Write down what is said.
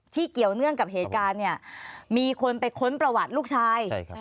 เกี่ยวเนื่องกับเหตุการณ์เนี่ยมีคนไปค้นประวัติลูกชาย